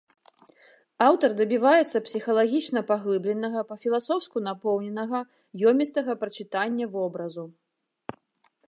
Аўтар дабіваецца псіхалагічна паглыбленага, па-філасофску напоўненага, ёмістага прачытання вобразу.